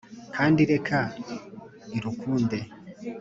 Kandi reka irukunde